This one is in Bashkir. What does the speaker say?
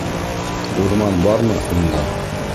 Урман бармы унда?